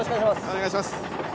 お願いします。